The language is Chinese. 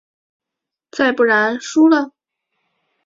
再不然输了？